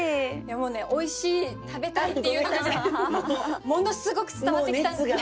おいしい食べたいっていうのだけものすごく伝わってきたんで。